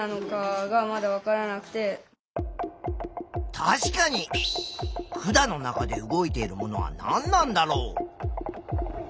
確かに管の中で動いているものは何なんだろう？